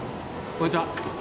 こんにちは。